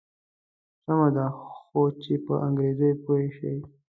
سمه ده خو چې په انګریزي پوی شي.